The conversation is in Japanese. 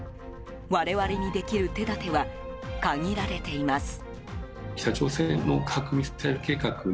我々にできる手立ては限られています。